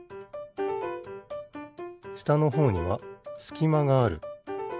したのほうにはすきまがある。